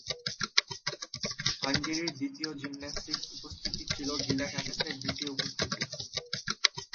হাঙ্গেরির দ্বিতীয় জিমন্যাস্টিকস উপস্থিতি ছিল গিলা কাকাসের দ্বিতীয় উপস্থিতি।